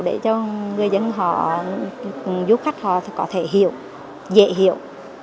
để cho người dân họ du khách họ có thể hiểu dễ hiểu